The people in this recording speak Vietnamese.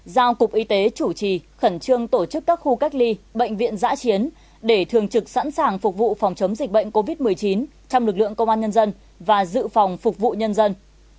giao cục y tế chủ trì khẩn trương tổ chức các khu cách ly bệnh viện giã chiến để thường trực sẵn sàng phục vụ phòng chống dịch bệnh covid một mươi chín trong lực lượng công an nhân dân và dự phòng phục vụ nhân dân